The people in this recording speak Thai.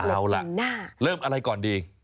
เอาล่ะเริ่มอะไรก่อนดี